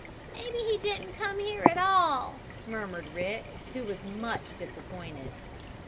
"Maybe he didn't come here at all!" murmured Rick, who was much disappointed.